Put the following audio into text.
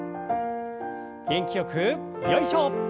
元気よくよいしょ。